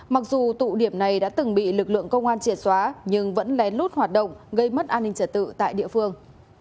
mặc dù tụ điểm này đã từng bị lực lượng công an triệt xóa nhưng vẫn lén lút hoạt động gây mất an ninh trật tự tại địa phương